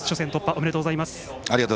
ありがとうございます。